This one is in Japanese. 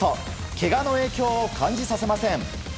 けがの影響を感じさせません。